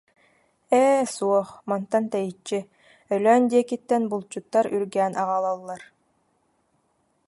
Ээ, суох, мантан тэйиччи, Өлөөн диэкиттэн булчуттар үргээн аҕалаллар